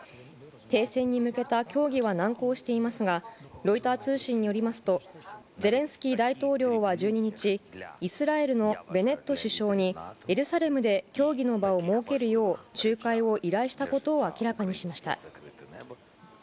停戦に向けた協議は難航していますがロイター通信によりますとゼレンスキー大統領は１２日イスラエルのベネット首相にエルサレムで協議の場を設けるよう仲介を依頼したことを明らかにしました。